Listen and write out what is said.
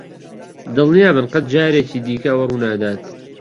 دڵنیابن قەت جارێکی دیکە ئەوە ڕوونادات.